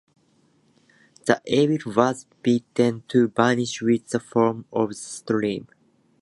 The evil was bidden to vanish with the foam of the stream.